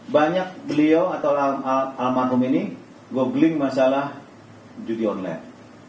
banyak beliau atau almarhum ini gogling masalah judi online